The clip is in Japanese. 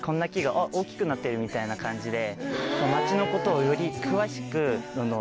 太一君大きくなってるみたいな感じで。